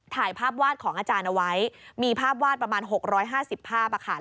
ถ่ายภาพวาดของอาจารย์เอาไว้มีภาพวาดประมาณ๖๕๐ภาพ